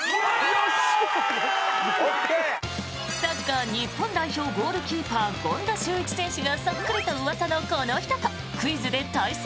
サッカー日本代表ゴールキーパー、権田修一選手がそっくりとうわさのこの人とクイズで対戦。